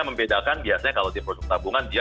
membedakan biasanya kalau di produk tabungan dia